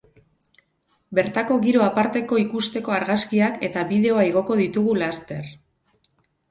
Bertako giro aparteko ikusteko argazkiak eta bideoa igoko ditugu laster.